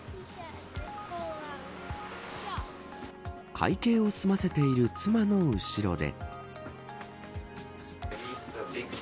会計を済ませている妻の後ろで。